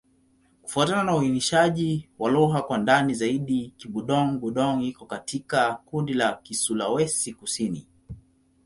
Kufuatana na uainishaji wa lugha kwa ndani zaidi, Kibudong-Budong iko katika kundi la Kisulawesi-Kusini.